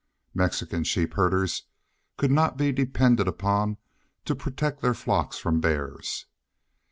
Mexican sheep herders could not be depended upon to protect their flocks from bears.